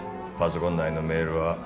パソコン内のメールは